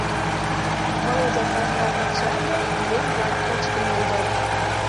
Володя сайынрак ончале — еҥ-влак кычкыме улыт.